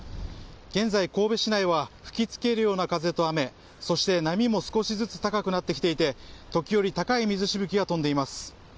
現在、神戸市内は吹き付けるような風と雨そして波も少しずつ高くなってきていて時折高い水しぶきが飛んでいます。